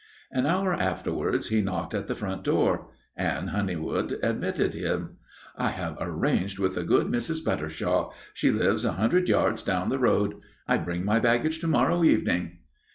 An hour afterwards he knocked at the front door, Anne Honeywood admitted him. "I have arranged with the good Mrs. Buttershaw. She lives a hundred yards down the road. I bring my baggage to morrow evening."